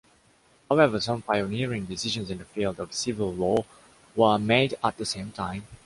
However, some pioneering decisions in the field of civil law were made at the same time.